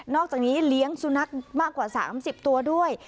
อกจากนี้เลี้ยงสุนัขมากกว่า๓๐ตัวด้วย